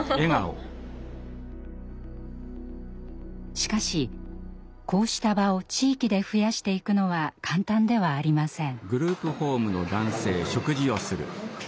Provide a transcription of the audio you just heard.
しかし、こうした場を地域で増やしていくのは簡単ではありません。